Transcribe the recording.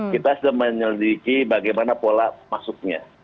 kita sudah menyelidiki bagaimana pola masuknya